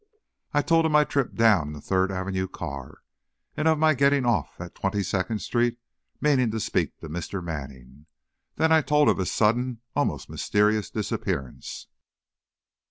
I told of my trip down in the Third Avenue car, and of my getting off at Twenty second Street, meaning to speak to Mr. Manning. Then I told of his sudden, almost mysterious disappearance.